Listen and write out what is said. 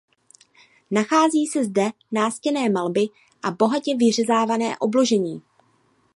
Nacházejí se zde nástěnné malby a bohatě vyřezávané obložení.